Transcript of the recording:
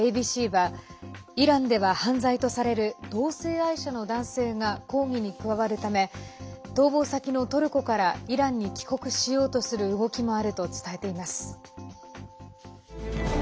ＡＢＣはイランでは犯罪とされる同性愛者の男性が抗議に加わるため逃亡先のトルコからイランに帰国しようとする動きもあると伝えています。